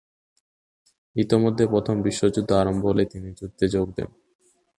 ইতিমধ্যে প্রথম বিশ্বযুদ্ধ আরম্ভ হলে তিনি যুদ্ধে যোগ দেন।